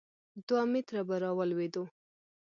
دوه متره به راولوېدو.